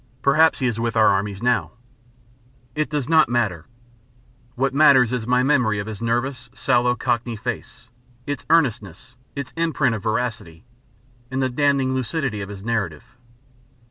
Perhaps he is with our armies now. It does not matter. What matters is my memory of his nervous, sallow, Cockney face, its earnestness, its imprint of veracity, and the damning lucidity of his narrative.